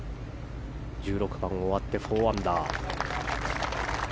１６番終わって４アンダー。